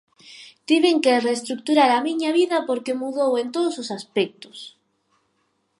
Tiven que reestruturar a miña vida porque mudou en todos os aspectos.